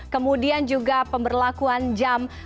kemudian juga pemberlakuan jam